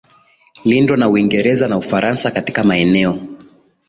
lindwa za Uingereza na Ufaransa Katika maeneo